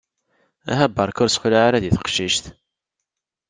Aha barka ur ssexlaɛ ara di teqcict!